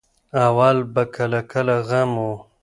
اول به کله کله غم وو.